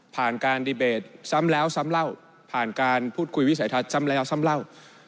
ผ่านการดีเบตซ้ำแล้วซ้ำเล่าผ่านการพูดคุยวิสัยทัศน์ซ้ำแล้วซ้ำเล่า